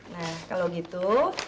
nah kalau gitu